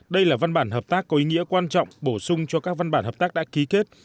đây là văn bản hợp tác có ý nghĩa quan trọng bổ sung cho các văn bản hợp tác đã ký kết